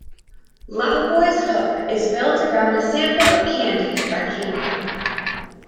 "Loverboy"'s hook is built around a sample of "Candy", by Cameo.